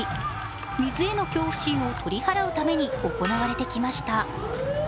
水への恐怖心を取り払うために行われてきました。